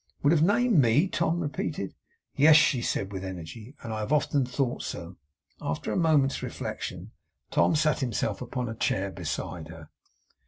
'Would have named me!' Tom repeated. 'Yes,' she said with energy, 'and I have often thought so.' After a moment's reflection, Tom sat himself upon a chair beside her.